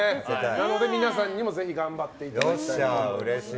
なので皆さんにもぜひ頑張っていただきたいと。